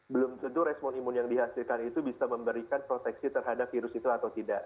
belum tentu respon imun yang dihasilkan itu bisa memberikan proteksi terhadap virus itu atau tidak